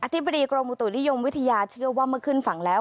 ธิบดีกรมอุตุนิยมวิทยาเชื่อว่าเมื่อขึ้นฝั่งแล้ว